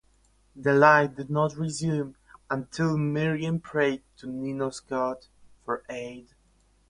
The light did not resume until Mirian prayed to "Nino's God" for aid.